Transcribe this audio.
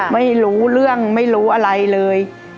ไม่รู้เรื่องไม่รู้อะไรเลย